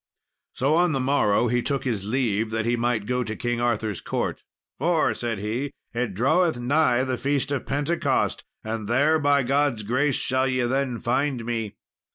So on the morrow, he took his leave, that he might go to King Arthur's court, "for," said he, "it draweth nigh the feast of Pentecost, and there, by God's grace, shall ye then find me."